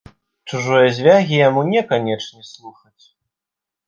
Чужое звягі яму не канечне слухаць.